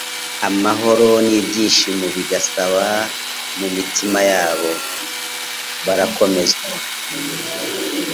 Amahoro n' ibyishimo bigasaba mu mitima yabo. Barakomezwa,